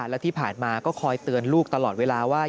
และที่ผ่านมาก็คอยเตือนลูกตลอดเวลาว่า